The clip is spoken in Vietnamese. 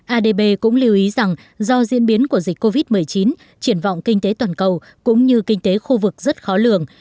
adb cũng lưu ý rằng do diễn biến của dịch covid một mươi chín triển vọng kinh tế toàn cầu cũng như kinh tế khu vực rất khó lường